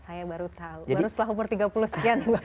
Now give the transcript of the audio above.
saya baru tahu baru setelah umur tiga puluh sekian